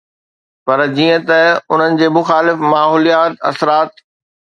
پر جيئن ته انهن جي مخالف ماحوليات اثرات